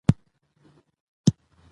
د تعليم بندیز د دین سره سم نه دی.